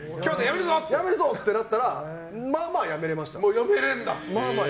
やめるぞ！ってなったらまあまあやめれました。